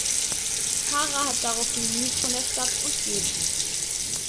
Tara hat daraufhin genug von der Stadt und geht.